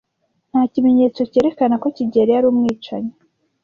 Nta kimenyetso cyerekana ko kigeli yari umwicanyi.